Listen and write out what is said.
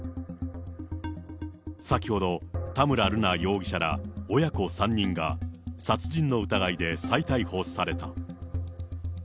先ほど、田村瑠奈容疑者ら親子３人が、殺人の疑いで再逮捕された。